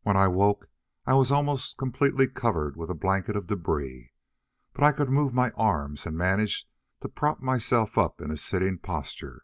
"When I woke I was almost completely covered with a blanket of debris, but I could move my arms, and managed to prop myself up in a sitting posture.